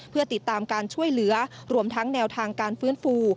เพื่อติดตามการช่วยเหลือรวมทั้งแนวทางการฟื้นฟู